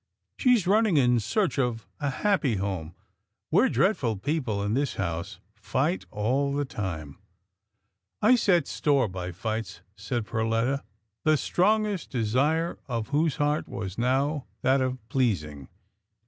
She is running in search of a happy home. We're dreadful people in this house — fight all the time." " I set store by fights," said Perletta, the strongest desire of whose heart was now that of pleasing.